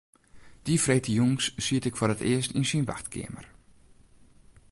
Dy freedtejûns siet ik foar it earst yn syn wachtkeamer.